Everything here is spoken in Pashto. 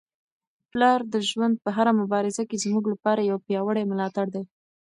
پلار د ژوند په هره مبارزه کي زموږ لپاره یو پیاوړی ملاتړی دی.